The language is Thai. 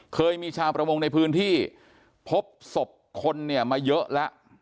เคยมีชาวประมงในพื้นที่พบศพคนเนี่ยมาเยอะแล้ว